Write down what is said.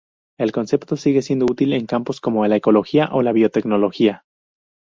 El concepto sigue siendo útil en campos como la ecología o la biotecnología.